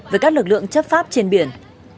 với các lực lượng chấp pháp trên biển